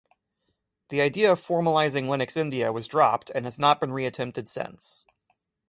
The idea of formalizing Linux India was dropped and has not been re-attempted since.